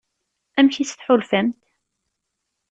Amek i s-tḥulfamt?